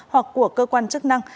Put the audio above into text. hoặc của cơ quan chức năng